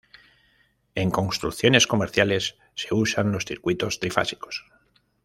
En construcciones comerciales, se usan los circuitos trifásicos.